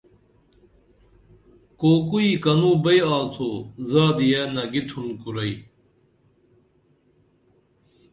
کوکوئی کنو بئی آڅو زادیہ نگیتُھن کُرئی